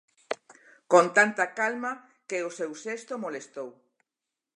Con tanta calma que o seu xesto molestou.